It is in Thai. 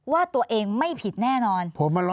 ว่าตัวเองไม่ผิดแน่นอน